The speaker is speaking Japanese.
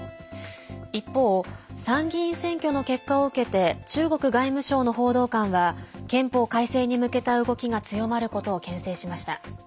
一方、参議院選挙の結果を受けて中国外務省の報道官は憲法改正に向けた動きが強まることをけん制しました。